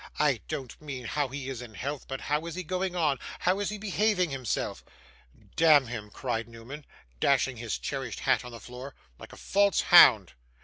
I don't mean how is he in health, but how is he going on: how is he behaving himself?' 'Damn him!' cried Newman, dashing his cherished hat on the floor; 'like a false hound.